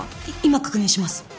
い今確認します。